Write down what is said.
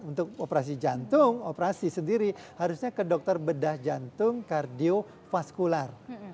untuk operasi jantung operasi sendiri harusnya ke dokter bedah jantung kardiofaskular